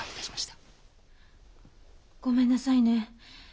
ごめんなさいね。